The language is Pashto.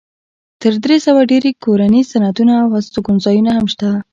تر درې سوه ډېر کورني صنعتونه او هستوګنځایونه هم شته.